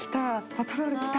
パトロール来た！